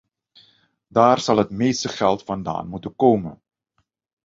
Daar zal het meeste geld vandaan moeten komen.